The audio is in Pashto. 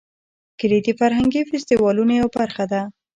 کلي د فرهنګي فستیوالونو یوه برخه ده.